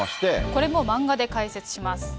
これも漫画で解説します。